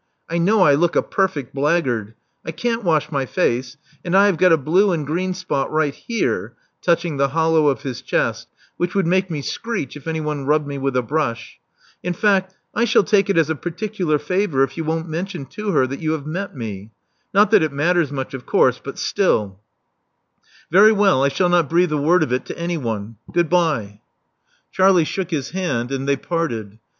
I know I look a perfect blackguard. I can't wash my face; and I have got a blue and green spot right here" — ^touching the hollow of his chest — 'Svhich would make me screech if anyone rubbed me with a brush. In fact I shall take it as a particular favor if you won't mention to her that you have met me. Not that it matters much, of course; but still " •'Very well, I shall not breathe a word of it to any one. Goodbye." Love Among the Artists 359 Charlie shook his hand; and they parted.